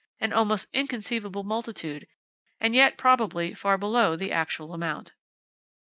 An almost inconceivable multitude, and yet probably far below the actual amount."